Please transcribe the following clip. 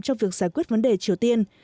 trong việc giải quyết vấn đề triều tiên